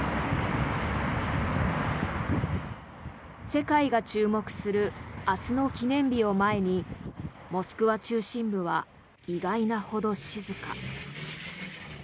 世界が注目する明日の記念日を前にモスクワ中心部は意外なほど静か。